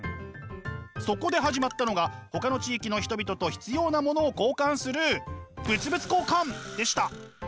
そこで始まったのがほかの地域の人々と必要なものを交換する物々交換でした！